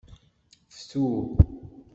Ftu.